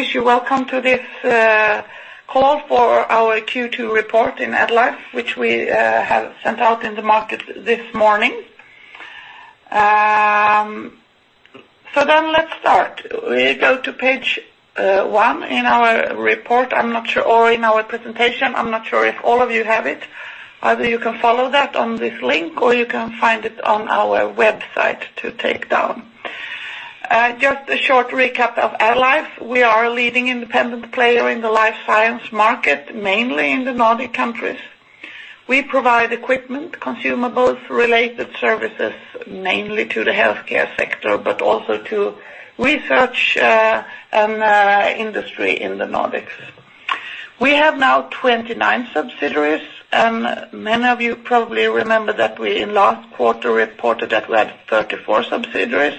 Wish you welcome to this call for our Q2 report in AddLife, which we have sent out in the market this morning. Let's start. We go to page one in our report or in our presentation. I'm not sure if all of you have it. Either you can follow that on this link, or you can find it on our website to take down. Just a short recap of AddLife. We are a leading independent player in the life science market, mainly in the Nordic countries. We provide equipment, consumables, related services, mainly to the healthcare sector, but also to research and industry in the Nordics. We have now 29 subsidiaries. Many of you probably remember that we, in last quarter, reported that we had 34 subsidiaries.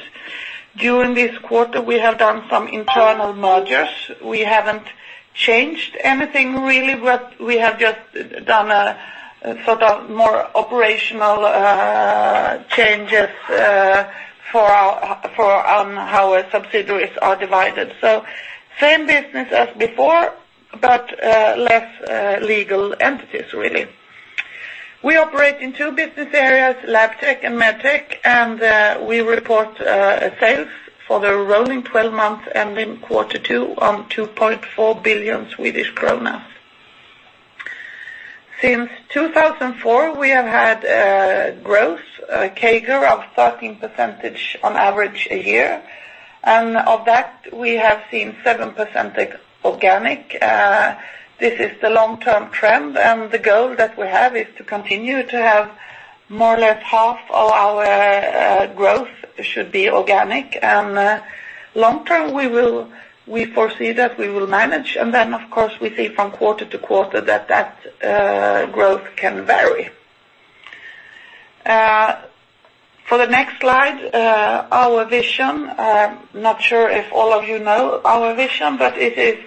During this quarter, we have done some internal mergers. We haven't changed anything, really, but we have just done a sort of more operational changes for how our subsidiaries are divided. Same business as before, but less legal entities, really. We operate in two business areas, Labtech and Medtech, and we report sales for the rolling 12 months ending quarter two on 2.4 billion Swedish kronor. Since 2004, we have had growth, a CAGR of 13% on average a year. Of that, we have seen 7% organic. This is the long-term trend, and the goal that we have is to continue to have more or less half of our growth should be organic. Long term, we foresee that we will manage, and of course, we see from quarter to quarter that growth can vary. For the next slide, our vision, I'm not sure if all of you know our vision, but it is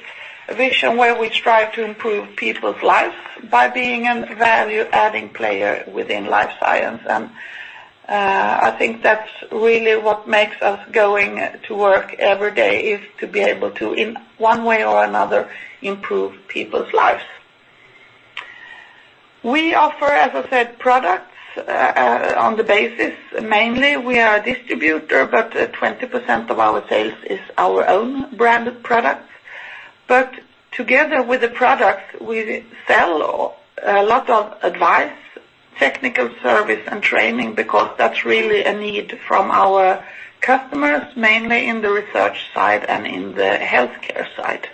a vision where we strive to improve people's lives by being a value-adding player within life science. I think that's really what makes us going to work every day, is to be able to, in one way or another, improve people's lives. We offer, as I said, products on the basis. Mainly, we are a distributor, but 20% of our sales is our own branded products. Together with the products, we sell a lot of advice, technical service, and training because that's really a need from our customers, mainly in the research side and in the healthcare side.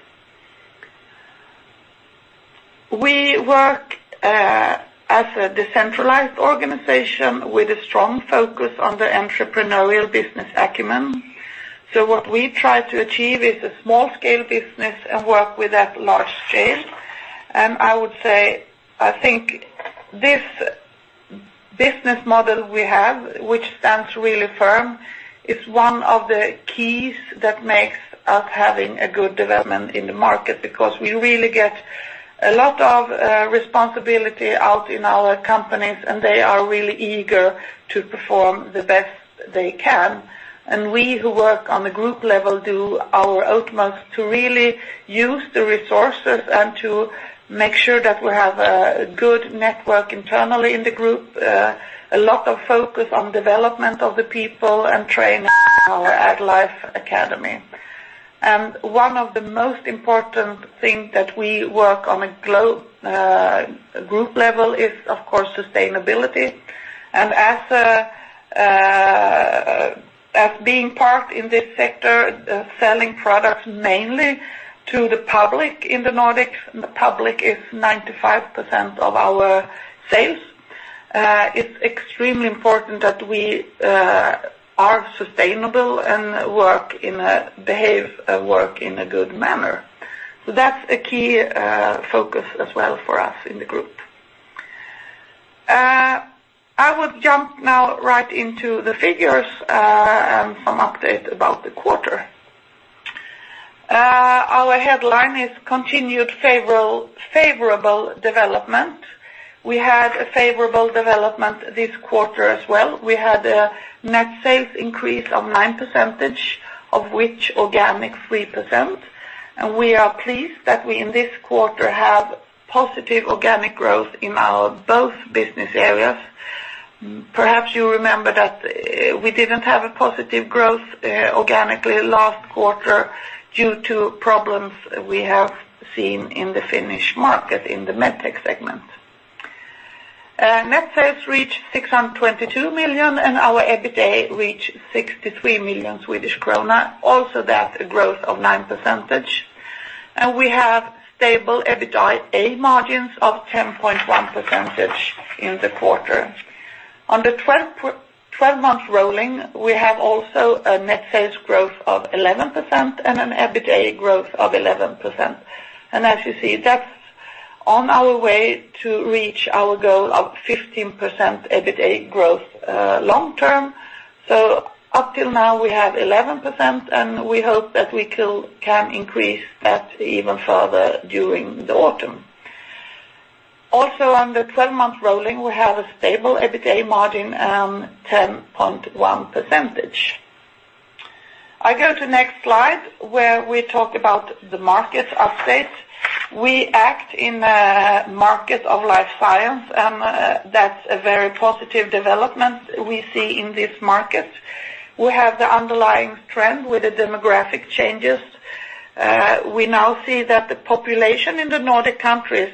We work as a decentralized organization with a strong focus on the entrepreneurial business acumen. What we try to achieve is a small-scale business and work with that large scale. I would say, I think this business model we have, which stands really firm, is one of the keys that makes us having a good development in the market because we really get a lot of responsibility out in our companies, and they are really eager to perform the best they can. We who work on the group level do our utmost to really use the resources and to make sure that we have a good network internally in the group, a lot of focus on development of the people, and training our AddLife Academy. One of the most important thing that we work on a group level is, of course, sustainability. As being part in this sector, selling products mainly to the public in the Nordics, the public is 95% of our sales, it's extremely important that we are sustainable and behave and work in a good manner. That's a key focus as well for us in the group. I would jump now right into the figures and some update about the quarter. Our headline is continued favorable development. We had a favorable development this quarter as well. We had a net sales increase of 9%, of which organic 3%. We are pleased that we, in this quarter, have positive organic growth in our both business areas. Perhaps you remember that we didn't have a positive growth organically last quarter due to problems we have seen in the Finnish market in the Medtech segment. Net sales reached 622 million, our EBITA reached 63 million Swedish krona, also that a growth of 9%. We have stable EBITA margins of 10.1% in the quarter. On the 12 months rolling, we have also a net sales growth of 11% and an EBITA growth of 11%. As you see, that's on our way to reach our goal of 15% EBITA growth long term. Up till now, we have 11%, and we hope that we can increase that even further during the autumn. Also under 12 months rolling, we have a stable EBITA margin, 10.1%. I go to next slide where we talk about the markets updates. We act in the market of life science, that's a very positive development we see in this market. We have the underlying trend with the demographic changes. We now see that the population in the Nordic countries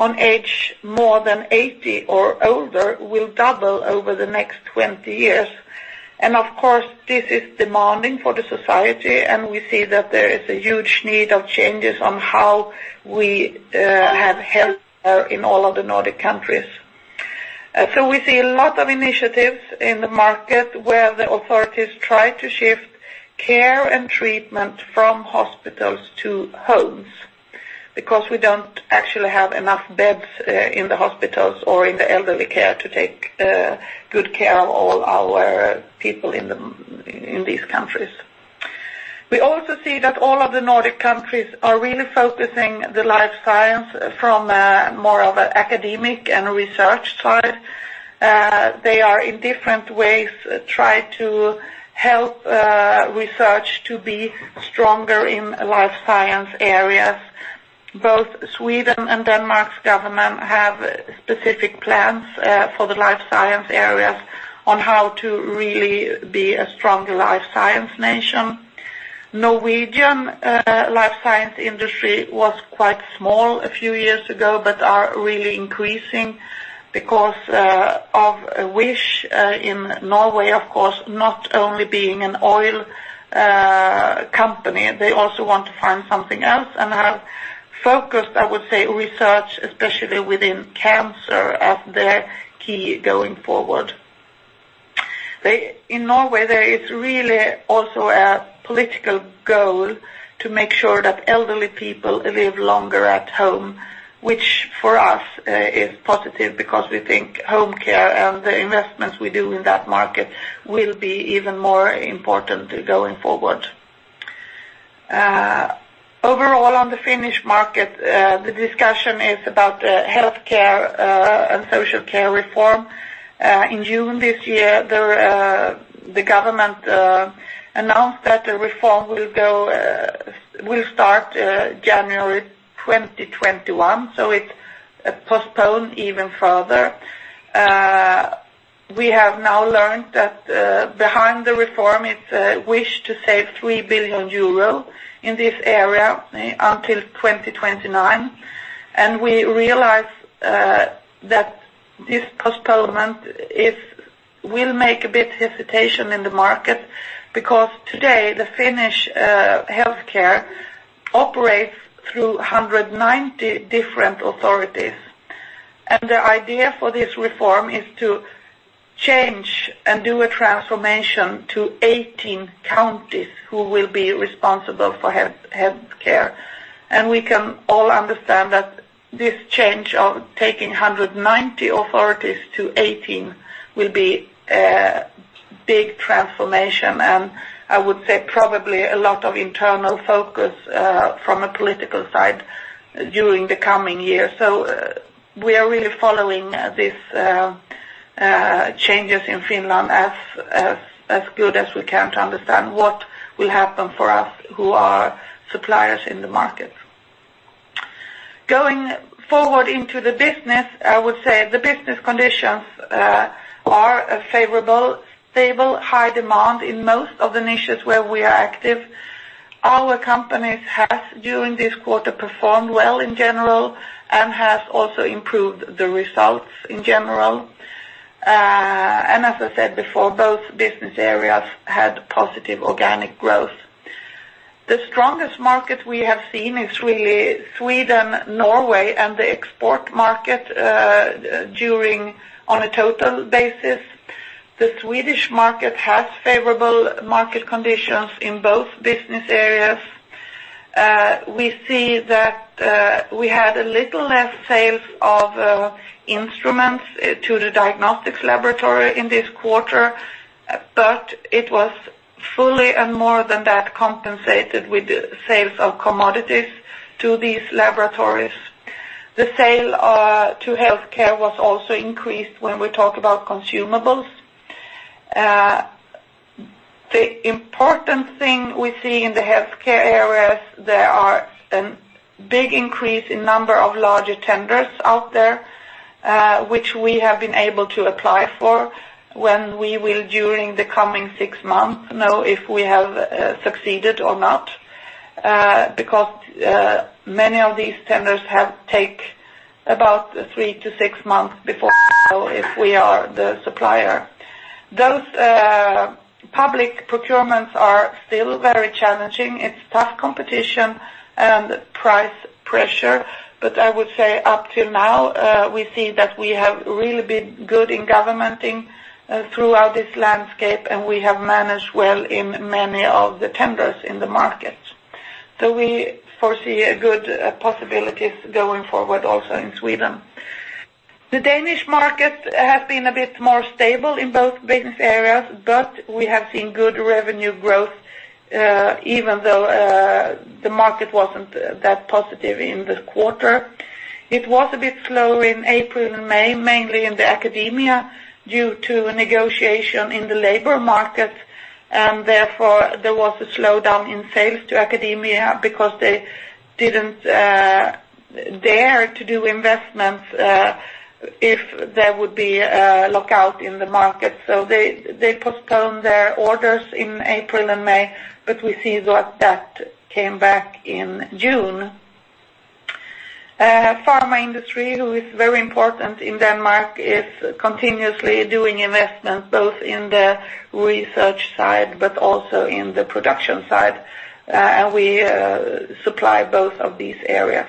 on age more than 80 or older will double over the next 20 years. Of course, this is demanding for the society, and we see that there is a huge need of changes on how we have healthcare in all of the Nordic countries. We see a lot of initiatives in the market where the authorities try to shift care and treatment from hospitals to homes because we don't actually have enough beds in the hospitals or in the elderly care to take good care of all our people in these countries. We also see that all of the Nordic countries are really focusing the life science from a more of academic and research side. They are in different ways try to help research to be stronger in life science areas. Both Sweden and Denmark's government have specific plans for the life science areas on how to really be a stronger life science nation. Norwegian life science industry was quite small a few years ago but are really increasing because of a wish in Norway, of course, not only being an oil company, they also want to find something else and have focused, I would say, research especially within cancer as their key going forward. In Norway, there is really also a political goal to make sure that elderly people live longer at home, which for us is positive because we think home care and the investments we do in that market will be even more important going forward. Overall, on the Finnish market, the discussion is about the healthcare and social care reform. In June this year, the government announced that the reform will start January 2021. It postponed even further. We have now learned that behind the reform is a wish to save 3 billion euro in this area until 2029. We realize that this postponement will make a bit hesitation in the market because today the Finnish healthcare operates through 190 different authorities. The idea for this reform is to change and do a transformation to 18 counties who will be responsible for healthcare. We can all understand that this change of taking 190 authorities to 18 will be a big transformation, and I would say probably a lot of internal focus from a political side during the coming year. We are really following these changes in Finland as good as we can to understand what will happen for us who are suppliers in the market. Going forward into the business, I would say the business conditions are favorable. Stable, high demand in most of the niches where we are active. Our companies has, during this quarter, performed well in general and has also improved the results in general. As I said before, both business areas had positive organic growth. The strongest market we have seen is really Sweden, Norway, and the export market on a total basis. The Swedish market has favorable market conditions in both business areas. We see that we had a little less sales of instruments to the diagnostics laboratory in this quarter, but it was fully and more than that compensated with the sales of commodities to these laboratories. The sale to healthcare was also increased when we talk about consumables. The important thing we see in the healthcare areas, there are a big increase in number of larger tenders out there, which we have been able to apply for when we will during the coming six months know if we have succeeded or not, because many of these tenders have take about three to six months before we know if we are the supplier. Those public procurements are still very challenging. It's tough competition and price pressure, but I would say up till now, we see that we have really been good in governing throughout this landscape, and we have managed well in many of the tenders in the market. We foresee good possibilities going forward also in Sweden. The Danish market has been a bit more stable in both business areas, but we have seen good revenue growth, even though the market wasn't that positive in the quarter. It was a bit slow in April and May, mainly in the academia, due to a negotiation in the labor market. Therefore, there was a slowdown in sales to academia because they didn't dare to do investments, if there would be a lockout in the market. They postponed their orders in April and May, but we see that came back in June. Pharma industry, who is very important in Denmark, is continuously doing investments both in the research side, but also in the production side, and we supply both of these areas.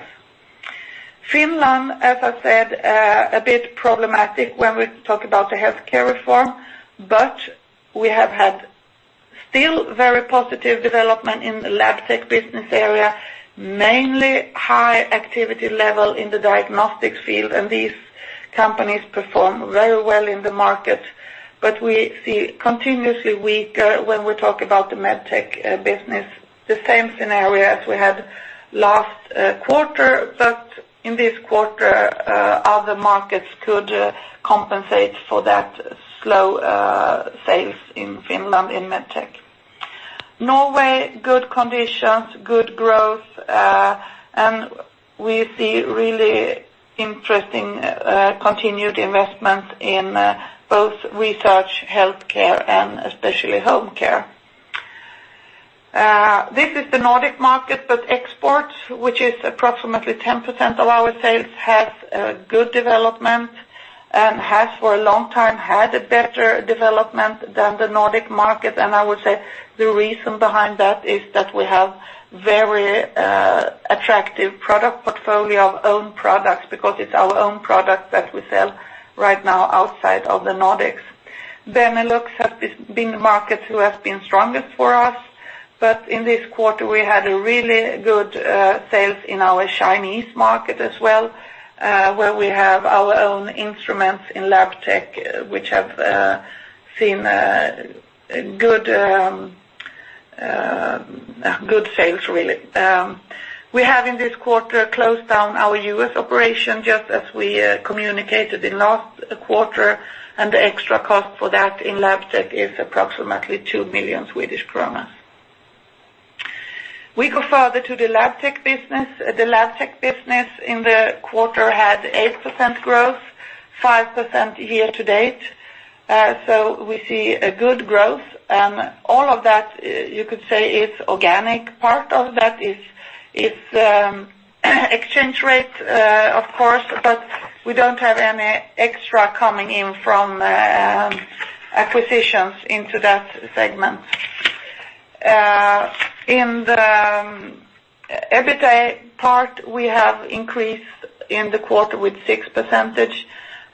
Finland, as I said, a bit problematic when we talk about the healthcare reform, but we have had still very positive development in the Labtech business area, mainly high activity level in the diagnostics field, and these companies perform very well in the market. We see continuously weaker when we talk about the Medtech business. The same scenario as we had last quarter. In this quarter, other markets could compensate for that slow sales in Finland in Medtech. Norway, good conditions, good growth, and we see really interesting continued investment in both research, healthcare, and especially home care. This is the Nordic market, but export, which is approximately 10% of our sales, has a good development and has for a long time had a better development than the Nordic market. I would say the reason behind that is that we have very attractive product portfolio of own products, because it's our own product that we sell right now outside of the Nordics. Benelux has been the market who has been strongest for us. In this quarter, we had a really good sales in our Chinese market as well, where we have our own instruments in Labtech, which have seen good sales, really. We have, in this quarter, closed down our U.S. operation, just as we communicated in last quarter, and the extra cost for that in Labtech is approximately 2 million Swedish kronor. We go further to the Labtech business. The Labtech business in the quarter had 8% growth, 5% year to date. We see a good growth, and all of that, you could say, is organic. Part of that is exchange rate, of course, but we don't have any extra coming in from acquisitions into that segment. In the EBITA part, we have increased in the quarter with 6%,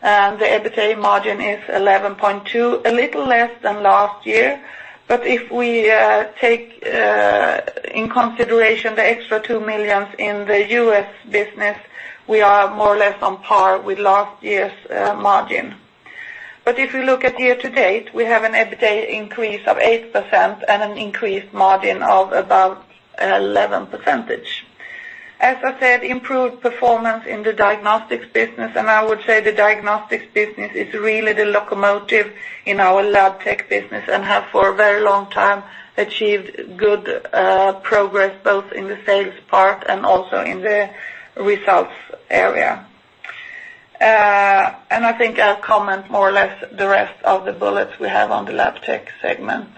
and the EBITA margin is 11.2%, a little less than last year. If we take in consideration the extra 2 million in the U.S. business, we are more or less on par with last year's margin. If you look at year to date, we have an EBITA increase of 8% and an increased margin of about 11%. As I said, improved performance in the diagnostics business, and I would say the diagnostics business is really the locomotive in our Labtech business and have for a very long time achieved good progress, both in the sales part and also in the results area. I think I'll comment more or less the rest of the bullets we have on the Labtech segment.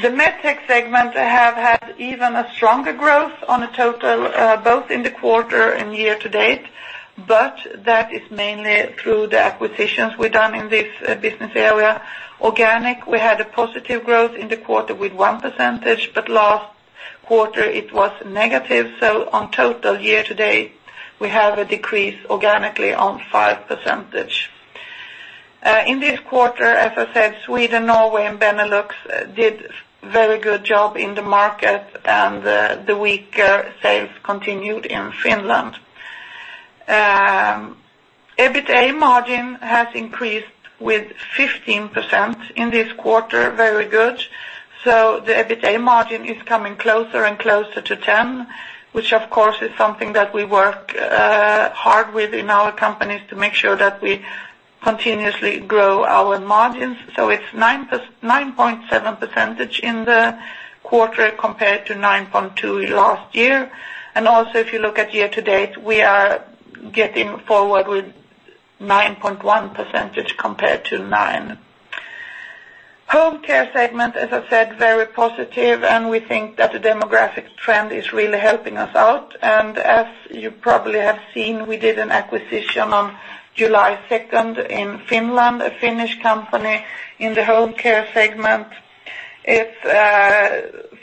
The Medtech segment have had even a stronger growth on a total, both in the quarter and year to date. That is mainly through the acquisitions we've done in this business area. Organic, we had a positive growth in the quarter with 1%. Last quarter it was negative. On total year to date, we have a decrease organically on 5%. In this quarter, as I said, Sweden, Norway, and Benelux did very good job in the market and the weaker sales continued in Finland. EBITA margin has increased with 15% in this quarter. Very good. The EBITA margin is coming closer and closer to 10%, which, of course, is something that we work hard with in our companies to make sure that we continuously grow our margins. It's 9.7% in the quarter compared to 9.2% last year. Also, if you look at year to date, we are getting forward with 9.1% compared to 9%. Home care segment, as I said, very positive, and we think that the demographic trend is really helping us out. As you probably have seen, we did an acquisition on July 2nd in Finland, a Finnish company in the home care segment. It's,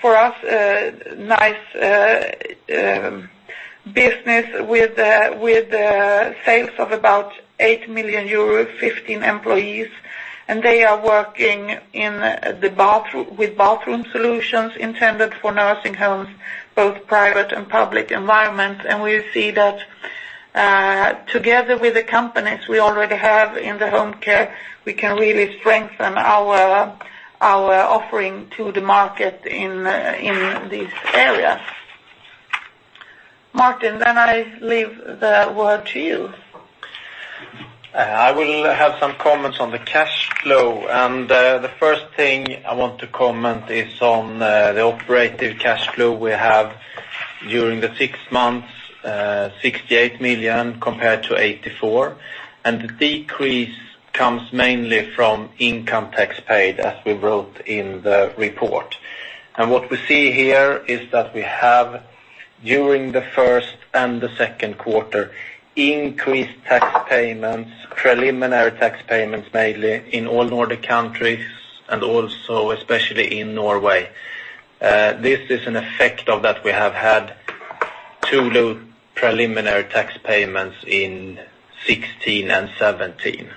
for us, a nice business with sales of about €8 million, 15 employees. They are working with bathroom solutions intended for nursing homes, both private and public environments. We see that together with the companies we already have in the home care, we can really strengthen our offering to the market in these areas. Martin, I leave the word to you. I will have some comments on the cash flow. The first thing I want to comment is on the operating cash flow we have during the six months, 68 million compared to 84 million. The decrease comes mainly from income tax paid, as we wrote in the report. What we see here is that we have, during the first and the second quarter, increased tax payments, preliminary tax payments, mainly in all Nordic countries and also especially in Norway. This is an effect of that we have had too low preliminary tax payments in 2016 and 2017.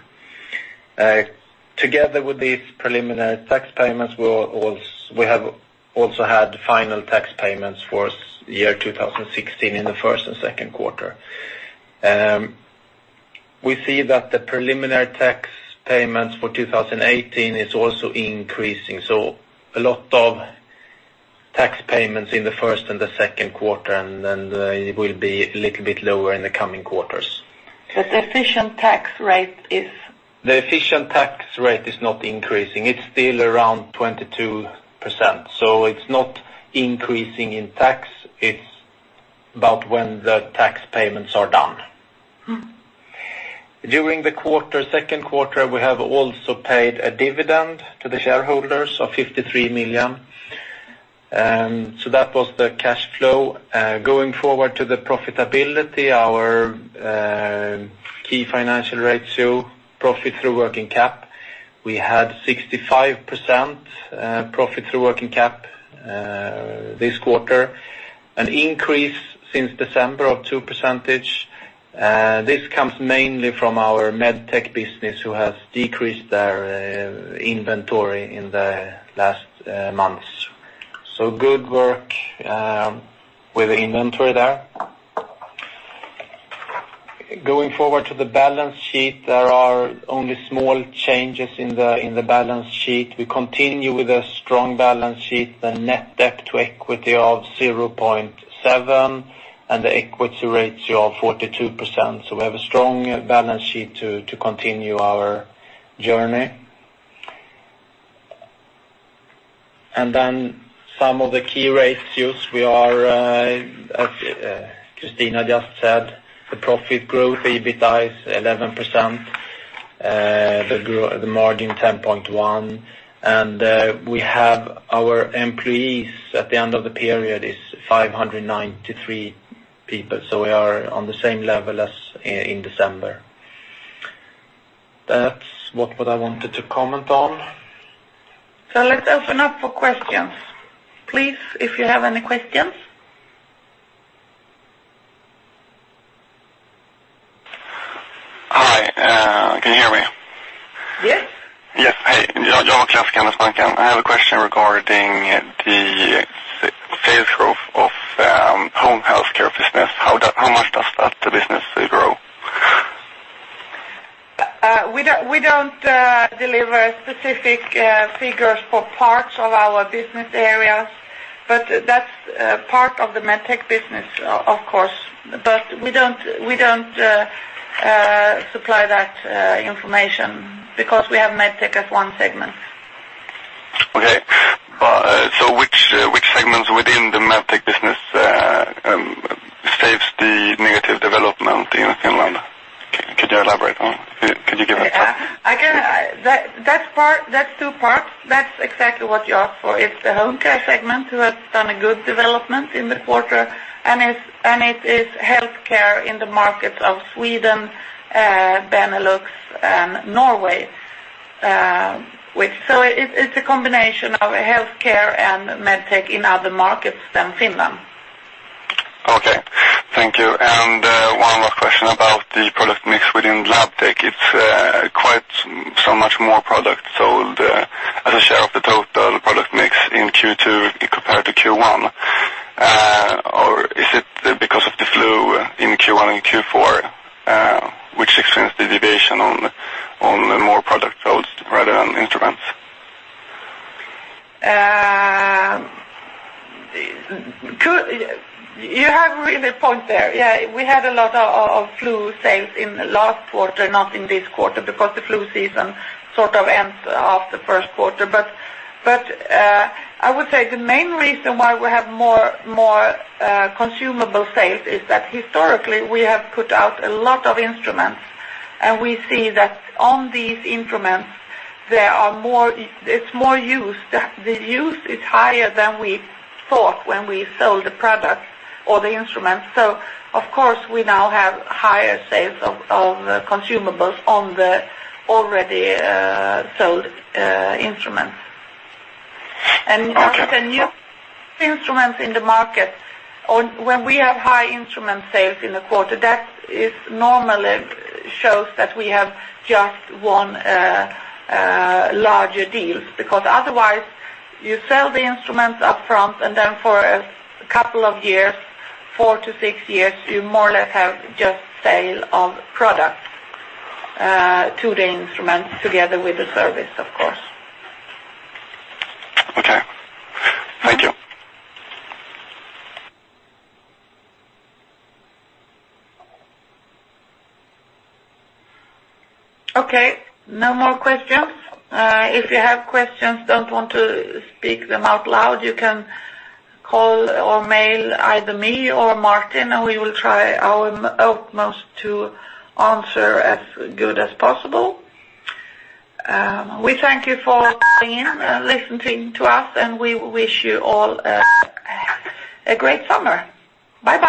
Together with these preliminary tax payments, we have also had final tax payments for year 2016 in the first and second quarter. We see that the preliminary tax payments for 2018 is also increasing. A lot of tax payments in the first and the second quarter, it will be a little bit lower in the coming quarters. The efficient tax rate is? The efficient tax rate is not increasing. It's still around 22%, so it's not increasing in tax, it's about when the tax payments are done. During the second quarter, we have also paid a dividend to the shareholders of 53 million. That was the cash flow. Going forward to the profitability, our key financial ratio, profit through working cap. We had 65% profit through working cap this quarter, an increase since December of 2%. This comes mainly from our Medtech business, who has decreased their inventory in the last months. Good work with the inventory there. Going forward to the balance sheet, there are only small changes in the balance sheet. We continue with a strong balance sheet, the net debt to equity of 0.7 and the equity ratio of 42%. We have a strong balance sheet to continue our journey. Some of the key ratios we are, as Christina just said, the profit growth, EBITA is 11%, the margin 10.1%. We have our employees at the end of the period is 593 people, we are on the same level as in December. That's what I wanted to comment on. Let's open up for questions. Please, if you have any questions. Hi, can you hear me? Yes. Yes. Hey, I have a question regarding the sales growth of home healthcare business. How much does that business grow? We don't deliver specific figures for parts of our business areas, but that's part of the Medtech business, of course. We don't supply that information because we have Medtech as one segment. Okay. Which segments within the Medtech business saves the negative development in Finland? Can you give an example? That's two parts. That's exactly what you asked for. It's the home care segment who has done a good development in the quarter, and it is healthcare in the markets of Sweden, Benelux, and Norway. It's a combination of healthcare and Medtech in other markets than Finland. Okay, thank you. One more question about the product mix within Labtech. It's quite so much more product sold as a share of the total product mix in Q2 compared to Q1. Is it because of the flu in Q1 and Q4 which explains the deviation on more product sold rather than instruments? You have a really good point there. Yeah, we had a lot of flu sales in the last quarter, not in this quarter, because the flu season sort of ends after the first quarter. I would say the main reason why we have more consumable sales is that historically we have put out a lot of instruments, and we see that on these instruments, the use is higher than we thought when we sold the product or the instruments. Of course, we now have higher sales of consumables on the already sold instruments. Okay. With the new instruments in the market, when we have high instrument sales in the quarter, that normally shows that we have just won larger deals because otherwise you sell the instruments up front and then for a couple of years, four to six years, you more or less have just sale of product to the instruments together with the service, of course. Okay. Thank you. Okay. No more questions. If you have questions, don't want to speak them out loud, you can call or mail either me or Martin. We will try our utmost to answer as good as possible. We thank you for listening to us, and we wish you all a great summer. Bye-bye.